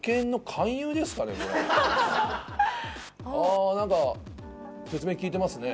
あ何か説明聞いてますね